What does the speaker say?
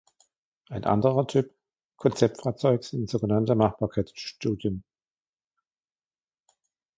Ein anderer Typ Konzeptfahrzeug sind sogenannte Machbarkeitsstudien.